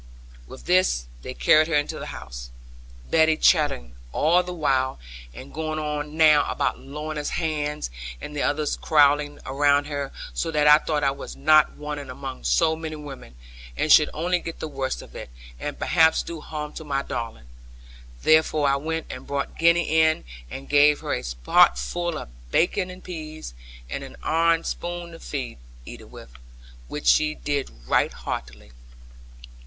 With this, they carried her into the house, Betty chattering all the while, and going on now about Lorna's hands, and the others crowding round her, so that I thought I was not wanted among so many women, and should only get the worst of it, and perhaps do harm to my darling. Therefore I went and brought Gwenny in, and gave her a potful of bacon and peas, and an iron spoon to eat it with, which she did right heartily.